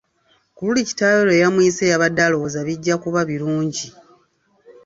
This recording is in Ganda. Ku luli kitaawe lwe yamuyise yabadde alowooza bijja kuba birungi.